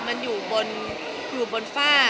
มันอยู่บนฝ้า